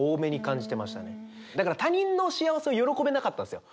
だから他人の幸せを喜べなかったんすよ。